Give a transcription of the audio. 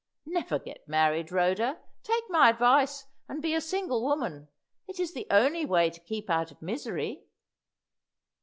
Never get married, Rhoda; take my advice, and be a single woman. It's the only way to keep out of misery."